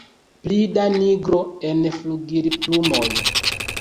Pli da nigro en flugilplumoj.